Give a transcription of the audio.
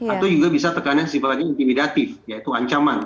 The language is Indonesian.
atau juga bisa tekanan sifatnya intimidatif yaitu ancaman